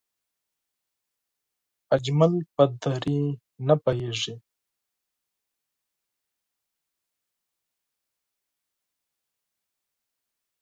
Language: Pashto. اجمل په دری نه پوهېږي